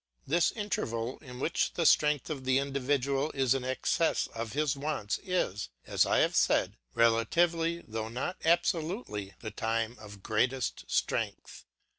This interval in which the strength of the individual is in excess of his wants is, as I have said, relatively though not absolutely the time of greatest strength.